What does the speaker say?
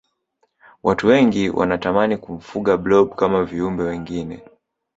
watu wengi wanatamani kumfuga blob kama viumbe wengine